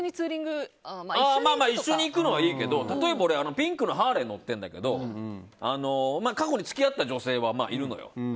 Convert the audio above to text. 一緒に行くのはいいけど例えば俺、ピンクのハーレーに乗ってるんだけど過去に付き合った女性はいるのよ。